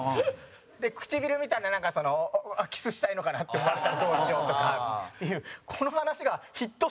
で、唇見たら、なんかキスしたいのかなって思われたらどうしようとかっていうこの話がヒット賞！！